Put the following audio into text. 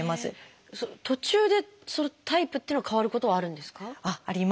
途中でタイプっていうのが変わることはあるんですか？